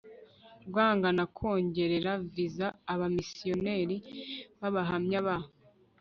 rwangaga kongerera viza abamisiyonari b abahamya ba